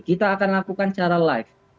kita akan lakukan secara live